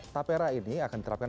tapera ini akan diterapkan